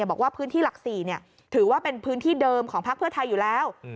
บอกว่าพื้นที่หลัก๔ถือว่าเป็นพื้นที่เดิมของพักเพื่อไทยอยู่แล้ว